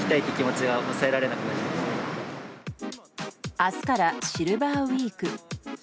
明日からシルバーウィーク。